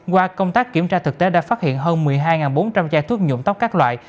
qua công tác kiểm tra thực tế đã phát hiện hơn một mươi hai bốn trăm linh chai thuốc nhuộm tóc các loại